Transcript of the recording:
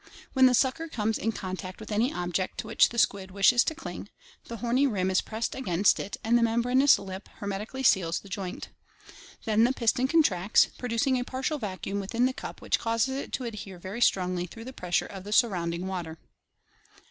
When the sucker comes in contact with any object to which the squid wishes to cling, the horny rim is pressed against it and the mem branous lip hermetically seals the joinL Then the piston con tracts, producing a partial vacuum within the cup which causes it to adhere very strongly through the pressure of the surrounding water.